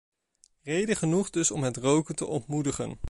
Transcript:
Reden genoeg dus om het roken te ontmoedigen.